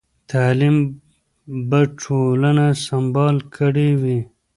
تعلیم به ټولنه سمبال کړې وي.